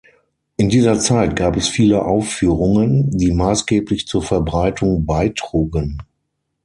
In dieser Zeit gab es viele Aufführungen, die maßgeblich zur Verbreitung beitrugen.